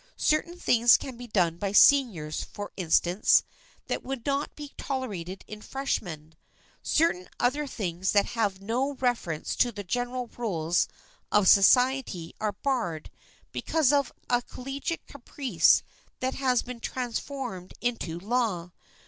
Certain things can be done by seniors, for instance, that would not be tolerated in freshmen; certain other things that have no reference to the general rules of society are barred because of a collegiate caprice that has been transformed into law.